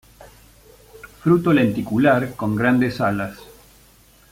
Fruto lenticular, con grandes alas.